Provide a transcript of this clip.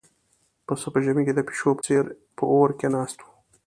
پسه په ژمي کې د پيشو په څېر په اور کې ناست و.